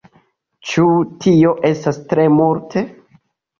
Ĉu tio estas tre multe?